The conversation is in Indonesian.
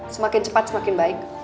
semakin cepat semakin baik